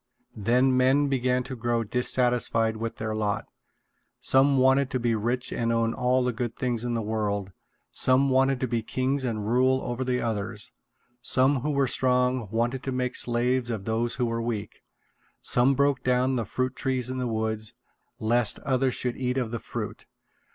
Then men began to grow dissatisfied with their lot. Some wanted to be rich and own all the good things in the world. Some wanted to be kings and rule over the others. Some who were strong wanted to make slaves of those who were weak. Some broke down the fruit trees in the woods, lest others should eat of the fruit.